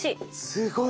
すごい。